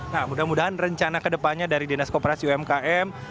nah mudah mudahan rencana kedepannya dari dinas koperasi umkm